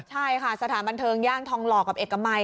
ใช่ค่ะสถานบันเทิงย่านทองหล่อกับเอกมัย